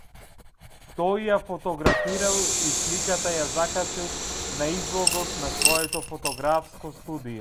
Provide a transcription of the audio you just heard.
Тој ја фотографирал, и сликата ја закачил на на излогот на своето фотографско студио.